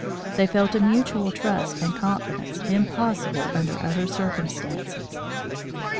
They felt a mutual trust and confidence impossible under other circumstances.